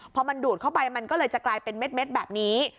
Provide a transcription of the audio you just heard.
พอมันดูดเข้าไปมันก็เลยจะกลายเป็นเม็ดแบบนี้